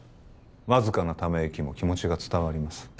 わずかなため息も気持ちが伝わります